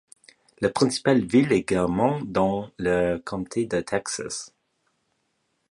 La principale ville est Guymon, dans le comté de Texas.